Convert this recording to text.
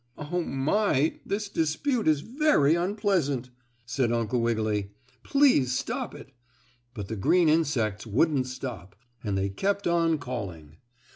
"Oh, my, this dispute is very unpleasant!" said Uncle Wiggily. "Please stop it." But the green insects wouldn't stop, and they kept on calling.